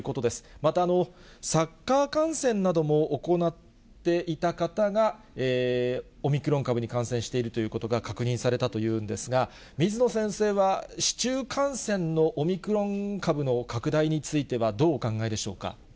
またサッカー観戦なども行っていた方がオミクロン株に感染しているということが確認されたというんですが、水野先生は市中感染のオミクロン株の拡大についてはどうお考えでしょうか。